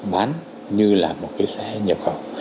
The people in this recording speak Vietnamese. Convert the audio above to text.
bán như là một cái xe nhập khẩu